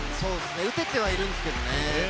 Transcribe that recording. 打ててはいるんですけれどね。